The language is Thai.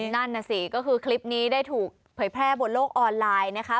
นั่นน่ะสิก็คือคลิปนี้ได้ถูกเผยแพร่บนโลกออนไลน์นะคะ